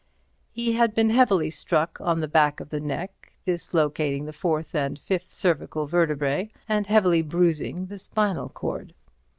He had been heavily struck on the back of the neck, dislocating the fourth and fifth cervical vertebræ and heavily bruising the spinal cord.